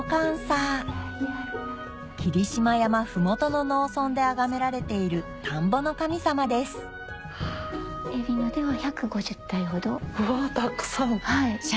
霧島山ふもとの農村であがめられている田んぼの神様ですうわたくさん。